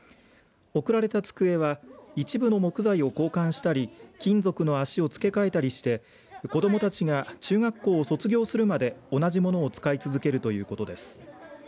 贈られた机は一部の木材を交換したり金属の脚を付け替えたりして子どもたちが中学校を卒業するまで同じものを使い続けるということです。